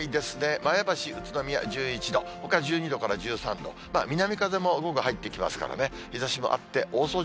前橋、宇都宮１１度、ほか１２度から１３度、南風も午後入ってきますからね、日ざしもあって大掃除